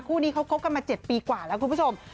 คู่นี้เขาคบกันมา๗ปีกว่าแล้วคุณผู้ชม